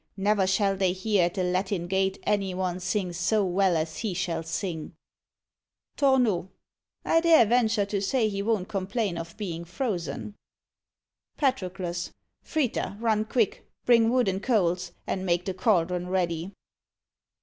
Never shall they hear at the Latin Gate any one sing so well as he shall sing. TORNEAU. I dare venture to say he won't complain of being frozen. PATROCLUS. Frita, run quick; bring wood and coals, and make the caldron ready.